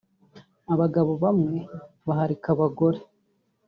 abagabo bamwe baharika abagore